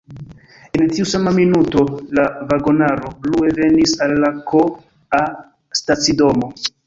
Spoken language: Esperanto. En tiu sama minuto la vagonaro brue venis al la K-a stacidomo.